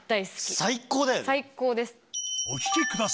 最高です。